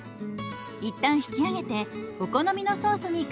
一旦引き上げてお好みのソースにからめましょう。